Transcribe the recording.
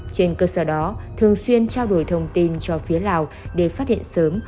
trên cơ sở đó thường xuyên trao đổi thông tin cho phía lào để phát hiện sớm